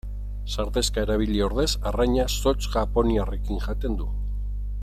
Sardexka erabili ordez arraina zotz japoniarrekin jaten du.